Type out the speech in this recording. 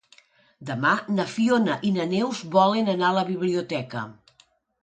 Demà na Fiona i na Neus volen anar a la biblioteca.